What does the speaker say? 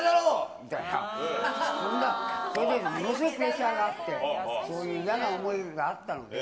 みたいな、そんなものすごいプレッシャーがあって、そんな嫌な思いがあったの。